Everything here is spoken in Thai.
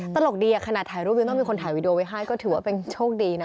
ตลกดีขนาดถ่ายรูปยังต้องมีคนถ่ายวีดีโอไว้ให้ก็ถือว่าเป็นโชคดีนะ